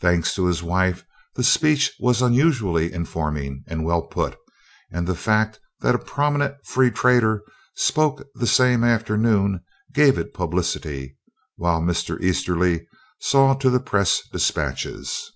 Thanks to his wife the speech was unusually informing and well put, and the fact that a prominent free trader spoke the same afternoon gave it publicity, while Mr. Easterly saw to the press despatches.